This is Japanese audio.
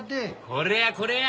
これやこれや。